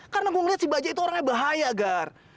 karena gue ngeliat si bajak itu orangnya bahaya gar